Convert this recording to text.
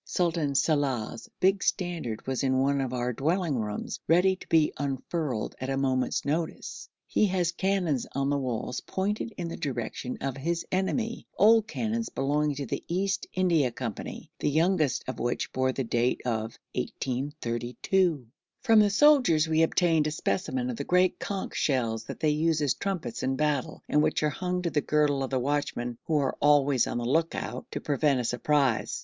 Sultan Salàh's big standard was in one of our dwelling rooms ready to be unfurled at a moment's notice. He has cannons on his walls pointed in the direction of his enemy old cannons belonging to the East India Company, the youngest of which bore the date of 1832. From the soldiers we obtained a specimen of the great conch shells that they use as trumpets in battle, and which are hung to the girdle of the watchmen, who are always on the look out to prevent a surprise.